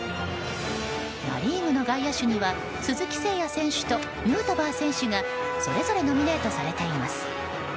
ナ・リーグの外野手には鈴木誠也選手とヌートバー選手がそれぞれノミネートされています。